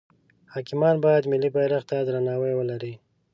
حاکمان باید ملی بیرغ ته درناوی ولری.